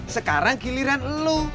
sekarang giliran elu